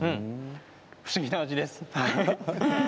不思議な味です。